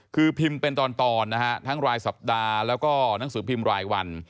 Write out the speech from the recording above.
คือพิมพ์เป็นตอนนะฮะทั้งรายสัปดาห์แล้วก็หนังสือพิมพ์รายวัน